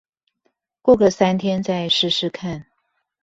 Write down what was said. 過個三天再試試看